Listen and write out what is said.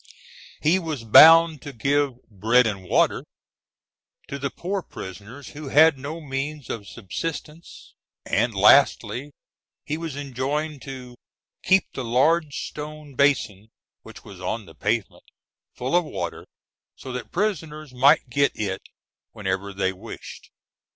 He was bound to give "bread and water" to the poor prisoners who had no means of subsistence; and, lastly, he was enjoined "to keep the large stone basin, which was on the pavement, full of water, so that prisoners might get it whenever they wished."